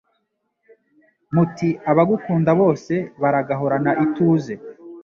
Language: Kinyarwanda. muti Abagukunda bose baragahorana ituze